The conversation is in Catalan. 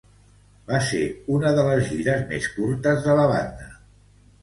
Va ser una de les gires més curtes de la banda.